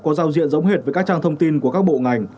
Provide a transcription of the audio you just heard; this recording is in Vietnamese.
có giao diện giống hệt với các trang thông tin của các bộ ngành